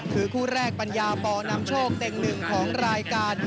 คือคู่แรกปัญญาปอนำโชคเต่งหนึ่งของรายการ